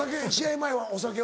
前はお酒は？